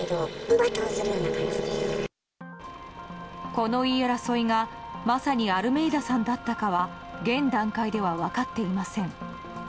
この言い争いがまさにアルメイダさんだったかは現段階では分かっていません。